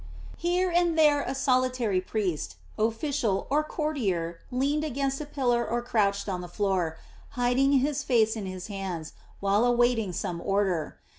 Here and there a solitary priest, official, or courtier leaned against a pillar or crouched on the floor, hiding his face in his hands, while awaiting some order.